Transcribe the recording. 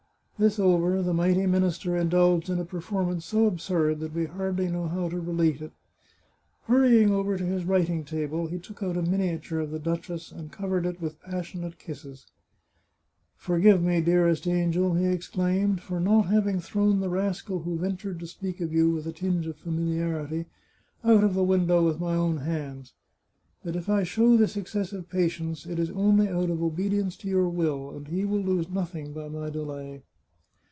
This over, the mighty minister in dulged in a performance so absurd that we hardly know how to relate it. Hurrying over to his writing table, he took out a miniature of the duchess, and covered it with passion ate kisses. " Forgive me, dearest angel," he exclaimed, " for not having thrown the rascal who ventured to speak of you with a tinge of familiarity out of the window with my own hands. But if I show this excessive patience it is only out of obedience to your will, and he will lose nothing by my delay."